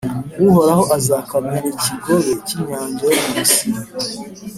Uhoraho azakamya ikigobe cy’inyanja yo mu Misiri,